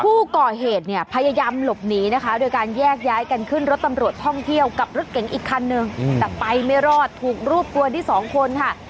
ผู้ก่อเหตุเนี่ยพยายามหลบหนีนะคะโดยการแยกย้ายกันขึ้นรถตำรวจท่องเที่ยวกับรถเก๋งอีกคันนึงแต่ไปไม่รอดถูกรวบตัวได้สองคนค่ะ